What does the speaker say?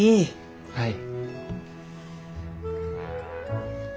はい。